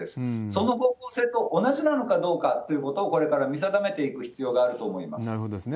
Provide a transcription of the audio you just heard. その方向性と同じなのかどうかということを、これから見定めていく必要があるとなるほどですね。